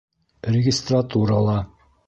Регистратурала.